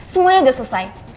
semuanya udah selesai